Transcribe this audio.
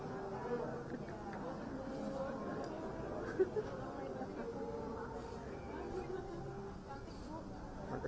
mbak mbak mbak mbak